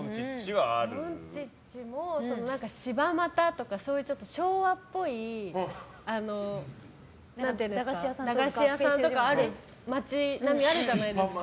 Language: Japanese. モンチッチも柴又とか、昭和っぽい駄菓子屋さんとかがある街並みがあるじゃないですか。